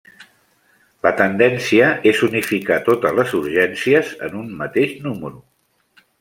La tendència és unificar totes les urgències en un mateix número.